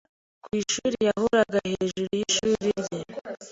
Kwishuri yahoraga hejuru yishuri rye.